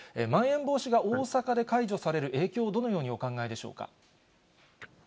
まん延防止が大阪で解除される影響をどのようにお考えでしょうか。